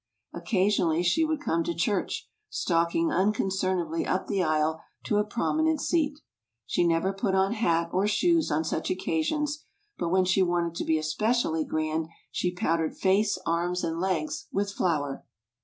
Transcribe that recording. Occasionally she would come to church, stalking unconcernedly up the aisle to a prominent seat. She never put on hat or shoes on such occasions, but when she wanted to be especially grand she powdered face, arms and legs withjfowr!